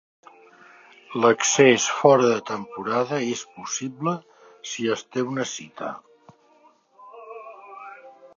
L'accés fora de temporada és possible si es té una cita.